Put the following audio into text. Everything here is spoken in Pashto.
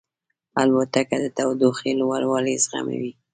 الوتکه د تودوخې لوړوالی زغمي.